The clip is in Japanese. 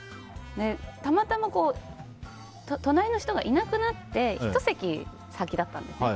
たまたま隣の人がいなくなって１席先だったんですね。